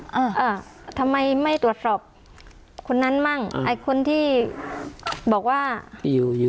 อ่าอ่าทำไมไม่ตรวจสอบคนนั้นมั่งไอ้คนที่บอกว่าที่อยู่อยู่